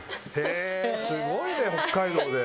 すごいね、北海道で。